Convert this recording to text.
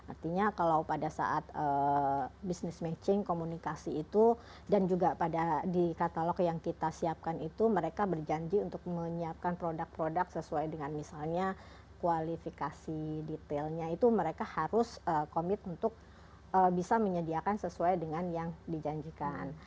artinya kalau pada saat business matching komunikasi itu dan juga di katalog yang kita siapkan itu mereka berjanji untuk menyiapkan produk produk sesuai dengan misalnya kualifikasi detailnya itu mereka harus komit untuk bisa menyediakan sesuai dengan yang dijanjikan